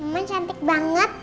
mama cantik banget